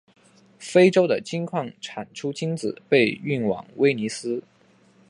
非洲的金矿产出金子被运往威尼斯。